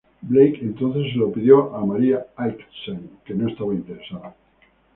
Blake entonces se lo pidió a Maria Aitken, que no estaba interesada.